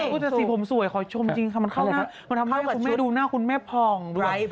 อื้อแต่สีผมสวยคอยชมจริงมันเข้ามามันทำให้คุณแม่ดูหน้าคุณแม่พอง